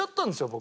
僕。